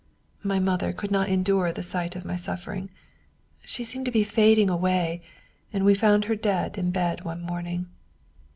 My mother could not endure the sight of my suffering. She seemed to be fading away, and we found her dead in bed one morning.